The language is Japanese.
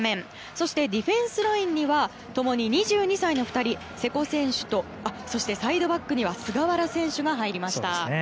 そしてディフェンスラインには共に２２歳の２人瀬古選手とそしてサイドバックには菅原選手が入りました。